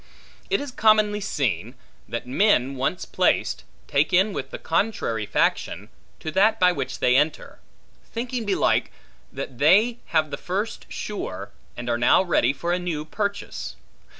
It is commonly seen, that men, once placed, take in with the contrary faction, to that by which they enter: thinking belike, that they have the first sure, and now are ready for a new purchase.